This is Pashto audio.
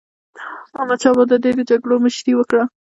احمدشاه بابا د ډېرو جګړو مشري وکړه.